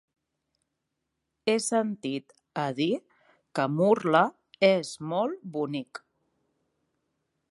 He sentit a dir que Murla és molt bonic.